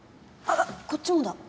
あっこっちもだ。